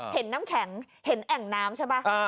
เห็นน้ำแข็งเห็นแอ่งน้ำใช่ป่ะ